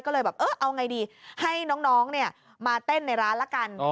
ก็เลยแบบเออเอาไงดีให้น้องมาเต้นในร้านละกัน